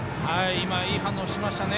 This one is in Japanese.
今、いい反応しましたね。